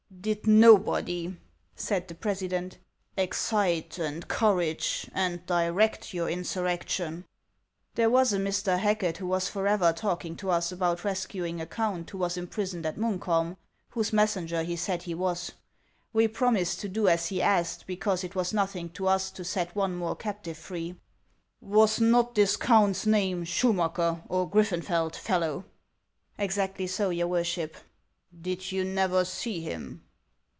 " Did nobody," said the president, " excite, encourage, and direct your insurrection ?"" There was a Mr. Racket, who was forever talking to us about rescuing a count who was imprisoned at Munk holm, whose messenger he said he was'. We promised to do as he asked, because it was nothing to us to set one more captive free." "Was not this count's name Schumacker or Griffen feld, fellow ?" "Exactly so, your worship." " Did you never see him